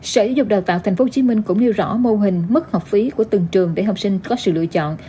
sở dục đào tạo tp hcm cũng nêu rõ mô hình mức học phí của từng trường để học sinh có sự lựa chọn